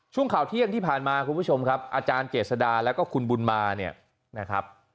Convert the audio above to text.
ช่วงข่าวเที่ยงที่ผ่านมาคุณผู้ชมครับอาจารย์เจษดาแล้วก็คุณบุญมาเนี่ยนะครับ